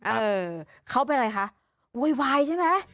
เออเขาเป็นอะไรคะโวยวายใช่ไหม